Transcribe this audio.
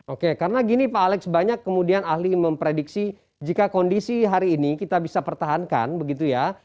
oke karena gini pak alex banyak kemudian ahli memprediksi jika kondisi hari ini kita bisa pertahankan begitu ya